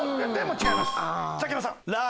違います。